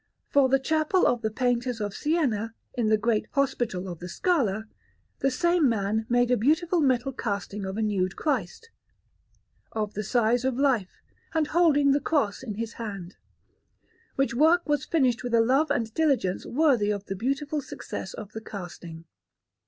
For the Chapel of the Painters of Siena, in the great Hospital of the Scala, the same man made a beautiful metal casting of a nude Christ, of the size of life and holding the Cross in His hand; which work was finished with a love and diligence worthy of the beautiful success of the casting.